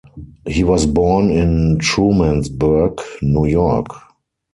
He was born in Trumansburg, New York.